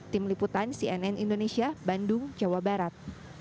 tim liputan cnn indonesia bandung jawa barat